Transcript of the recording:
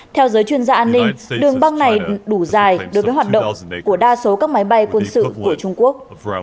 theo giới chuyên gia an ninh đường băng này đủ dài đối với hoạt động của đa số các máy bay quân sự của trung quốc